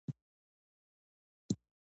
رسول الله ﷺ دری کاله په پټه دعوت وکړ.